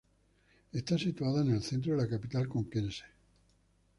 Está situada en el centro de la capital conquense.